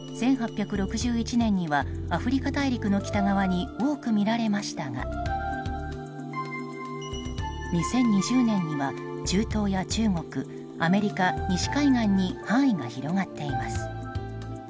１８６１年にはアフリカ大陸の北側に多く見られましたが２０２０年には中東や中国アメリカ西海岸に範囲が広がっています。